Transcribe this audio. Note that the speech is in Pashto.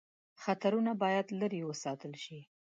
خطرونه باید لیري وساتل شي.